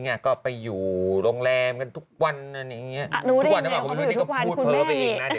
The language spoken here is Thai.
ไงก็ไปอยู่โรงแรมกันทุกวันอันนี้มึงก็พูดเปิ้ลไปเองนะ